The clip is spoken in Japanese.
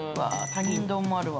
他人丼もあるわ。